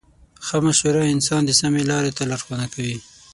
ښه مشوره انسان د سمې لارې ته لارښوونه کوي.